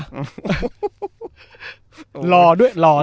หล่อด้วย